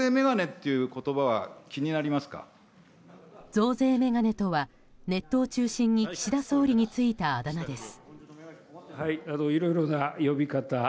増税メガネとはネットを中心に岸田総理についたあだ名です。